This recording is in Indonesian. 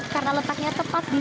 karena letaknya tepat di